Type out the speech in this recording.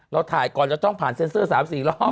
เราถ่ายก่อนเราต้องผ่านเซ็นเซอร์๓๔รอบ